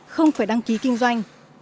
không phải đăng ký kinh doanh